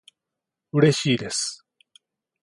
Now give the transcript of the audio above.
うれしいです